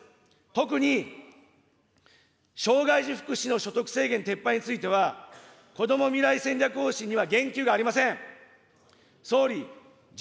特に、障害児福祉の所得制限撤廃については、こども未来戦略方針には言及がありません。